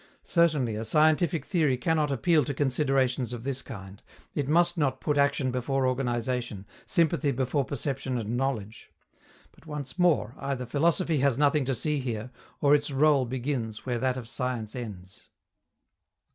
Certainly, a scientific theory cannot appeal to considerations of this kind. It must not put action before organization, sympathy before perception and knowledge. But, once more, either philosophy has nothing to see here, or its rôle begins where that of science ends.